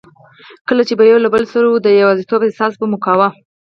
کله چي به یو له بل سره وو، د یوازیتوب احساس به مو کاوه.